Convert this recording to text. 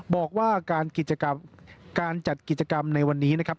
บอกว่าการกิจกรรมการจัดกิจกรรมในวันนี้นะครับ